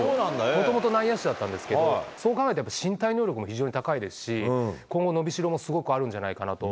もともと内野手だったんですけれども、そう考えると身体能力も非常に高いですし、今後伸びしろも非常にあるんじゃないかなと。